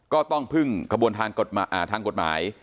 ก็ต้องพึ่งขบวนทางกฎหมาย